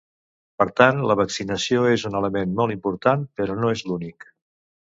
Per tant, la vaccinació és un element molt important, però no és l’únic.